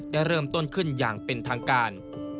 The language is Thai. ได้เริ่มต้นขึ้นอย่างเป็นทางการ